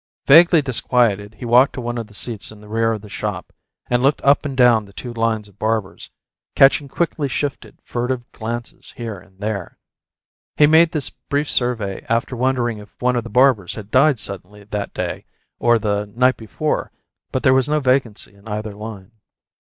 Vaguely disquieted, he walked to one of the seats in the rear of the shop, and looked up and down the two lines of barbers, catching quickly shifted, furtive glances here and there. He made this brief survey after wondering if one of the barbers had died suddenly, that day, or the night before; but there was no vacancy in either line.